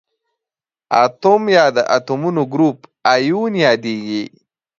اتوم یا د اتومونو ګروپ ایون یادیږي.